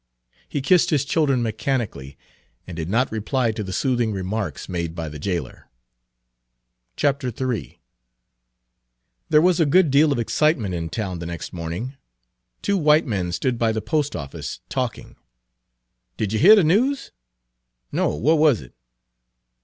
He kissed his children mechanically, and did not reply to the soothing remarks made by the jailer. III There was a good deal of excitement in town the next morning. Two white men stood by the post office talking. "Did yer hear the news?" "No, what wuz it?"